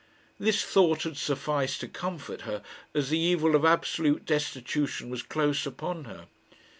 This thought had sufficed to comfort her, as the evil of absolute destitution was close upon her.